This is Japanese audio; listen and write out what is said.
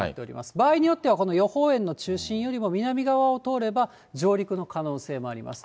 場合によってはこの予報円の中心よりも南側を通れば、上陸の可能性もあります。